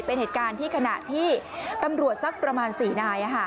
เป็นเหตุการณ์ที่ขณะที่ตำรวจสักประมาณ๔นาย